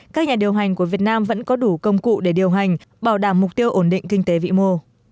các nhà điều hành của việt nam vẫn có đủ công cụ để điều hành bảo đảm mục tiêu ổn định kinh tế vĩ mô